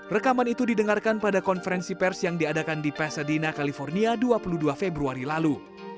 rekaman itu didengarkan pada konferensi pers yang diadakan di pasadina california dua puluh dua februari lalu